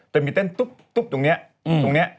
แต่มีเต้นตุ๊บตุ๊บตรงเนี้ยตรงเนี้ย